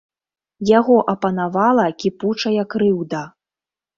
Яго апанавала кіпучая крыўда.